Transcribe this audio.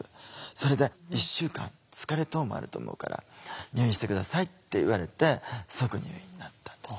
それで「１週間疲れ等もあると思うから入院して下さい」って言われて即入院になったんです。